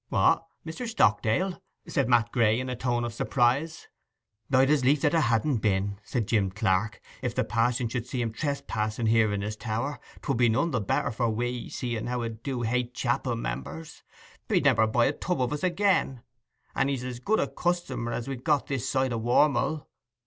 'What, Mr. Stockdale?' said Matt Grey, in a tone of surprise. 'I'd as lief that it hadn't been,' said Jim Clarke. 'If the pa'son should see him a trespassing here in his tower, 'twould be none the better for we, seeing how 'a do hate chapel members. He'd never buy a tub of us again, and he's as good a customer as we have got this side o' Warm'll.